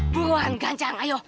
buruan ganjang ayo